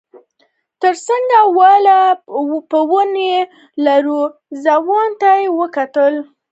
تر څنګ ولاړ په ونه لوړ ځوان ته يې وکتل.